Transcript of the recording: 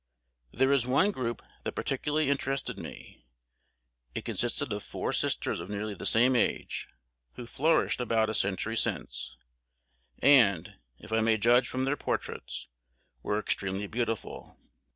There is one group that particularly interested me. It consisted of four sisters of nearly the same age, who flourished about a century since, and, if I may judge from their portraits, were extremely beautiful.